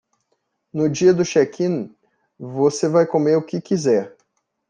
No dia do check-in, você vai comer o que quiser.